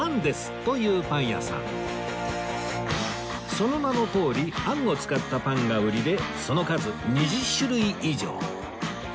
その名のとおりあんを使ったパンが売りでその数２０種類以上